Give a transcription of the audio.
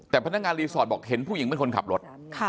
แต่พนักงานรีสอร์ทบอกเห็นผู้หญิงเป็นคนขับรถ